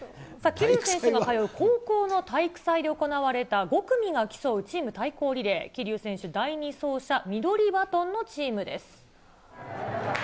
桐生選手が通う高校の体育祭で行われた５組が競う競うチーム対抗リレー、桐生選手第２走者、緑バトンのチームです。